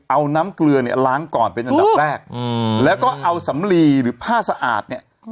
เอาน้ำเกลือเนี่ยล้างก่อนเป็นอันดับแรกแล้วก็เอาสำลีหรือผ้าสะอาดเนี่ย